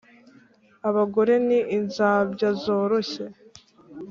abagore ni inzabya zoroshye